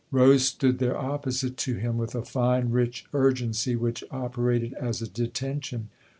Rose stood there opposite to him with a fine, rich urgency which operated as a detention.